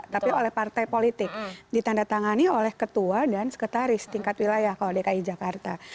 tapi oleh partai politik ditandatangani oleh ketua dan sekretaris tingkat wilayah kalau dki jakarta